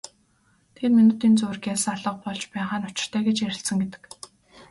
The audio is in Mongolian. Тэгээд минутын зуур гялс алга болж байгаа нь учиртай гэж ярилцсан гэдэг.